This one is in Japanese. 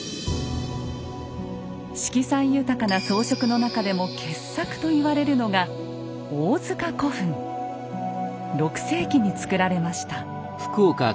色彩豊かな装飾の中でも傑作と言われるのが６世紀に造られました。